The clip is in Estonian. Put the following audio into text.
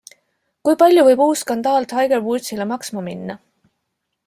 Kui palju võib uus skandaal Tiger Woodsile maksma minna?